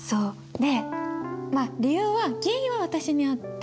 でまあ理由は原因は私にあって。